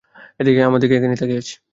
আমার দিকে তাকাও, আমি এখানেই আছি।